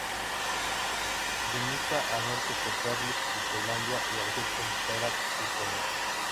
Limita al norte con Perlis y Tailandia, y al sur con Perak y Penang.